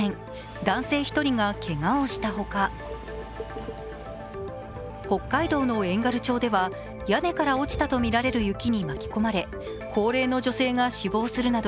男性１人がけがをしたほか、北海道の遠軽町では屋根から落ちたとみられる雪に巻き込まれ、高齢の女性が死亡するなど